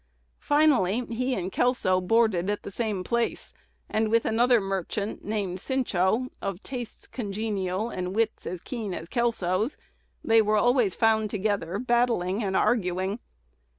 Finally he and Kelso boarded at the same place; and with another "merchant," named Sincho, of tastes congenial and wits as keen as Kelso's, they were "always found together, battling and arguing."